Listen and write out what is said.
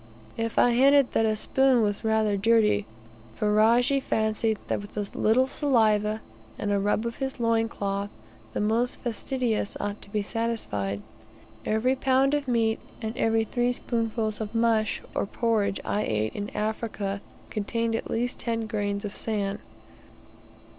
If I hinted that a spoon was rather dirty, Ferajji fancied that with a little saliva, and a rub of his loin cloth, the most fastidious ought to be satisfied. Every pound of meat, and every three spoonfuls of musk or porridge I ate in Africa, contained at least ten grains of sand.